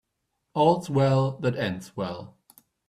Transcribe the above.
All's well that ends well.